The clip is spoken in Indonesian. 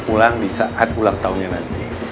pulang di saat ulang tahunnya nanti